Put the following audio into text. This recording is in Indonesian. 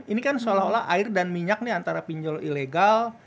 ini kan seolah olah air dan minyak nih antara pinjol ilegal